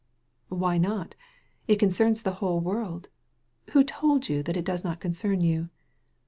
"Why not? It concerns the whole world. Who told you that it does not concern you?"